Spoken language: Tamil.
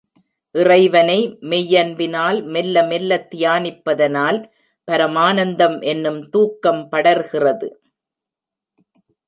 இறைவனை மெய்யன்பினால் மெல்ல மெல்லத் தியானிப்பதனால் பரமானந்தம் என்னும் தூக்கம் படர்கிறது.